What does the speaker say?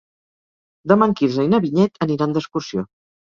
Demà en Quirze i na Vinyet aniran d'excursió.